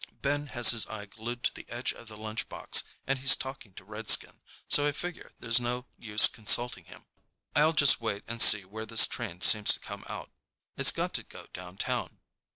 Ben has his eye glued to the edge of the lunchbox and he's talking to Redskin, so I figure there's no use consulting him. I'll just wait and see where this train seems to come out. It's got to go downtown.